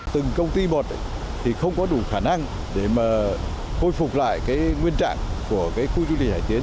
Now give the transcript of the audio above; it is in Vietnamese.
từng công ty một thì không có đủ khả năng để mà khôi phục lại cái nguyên trạng của cái khu du lịch hải tiến